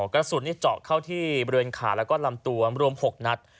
กระสุนเจาะเข้าที่บริเวณขาแล้วก็ลำตัวรวม๖นัด